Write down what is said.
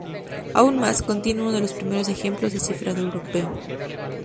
Aún más, contiene uno de los primeros ejemplos de cifrado europeo.